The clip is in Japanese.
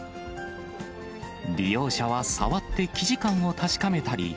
利用者は触って生地感を確かめたり。